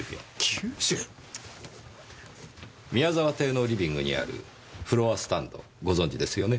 ９０？宮澤邸のリビングにあるフロアスタンドご存じですよね？